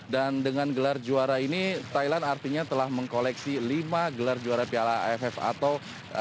dan dengan gelar juara ini thailand artinya telah mengkoleksi lima gelar juara piala aff atau